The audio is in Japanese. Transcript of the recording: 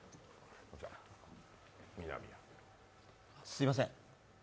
すいません。